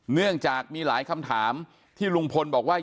เนื่องจากมีหลายคำถามที่ลุงพลบอกว่า